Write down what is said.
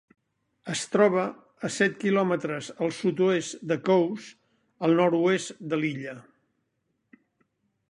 Es troba a set quilòmetres al sud-oest de Cowes, al nord-oest de l'illa.